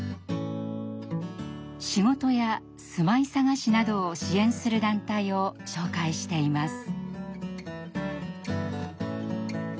仕事や住まい探しなどを支援する団体を紹介しています。